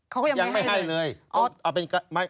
เขาก็ยังไม่ให้เลยยังไม่ให้เลย